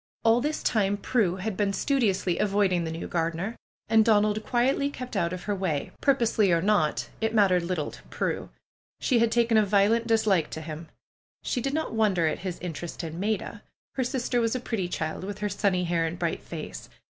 All this time Prue had been studiously avoiding the new gardener. And Donald quietly kept out of her way, purposely or not, it mattered little to Prue. She had taken a violent dislike to him. She did not wonder at his interest in Maida. Her sister was a pretty child, with her sunny hair and bright face.